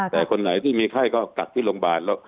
แต่คนไหนที่มีไข้ก็กักที่โรงพยาบาลแล้ว